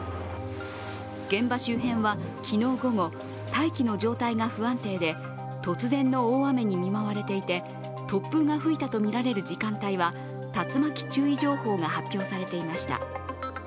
現場周辺は昨日午後大気の状態が不安定で突然の大雨に見舞われていて突風が吹いたとみられる時間帯は竜巻注意報が発表されていました。